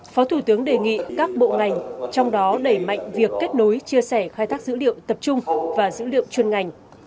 phó thủ tướng đề nghị các bộ ngành trong đó đẩy mạnh việc kết nối chia sẻ khai thác dữ liệu tập trung và dữ liệu chuyên ngành